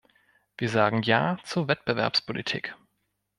Wir sagen Ja zur Wettbewerbspolitik.